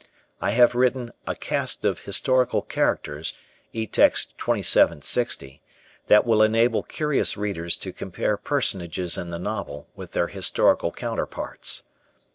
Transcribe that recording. I have written a "Cast of Historical Characters," Etext 2760, that will enable curious readers to compare personages in the novel with their historical counterparts.